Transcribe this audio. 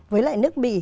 với lại nước bỉ